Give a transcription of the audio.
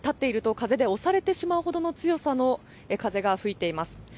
立っていると風で押されてしまうほどの強さの風が吹いています。